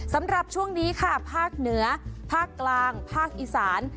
สำหรับช่วงนี้ค่ะภาคเหนือภาคกลางภาคอีสาน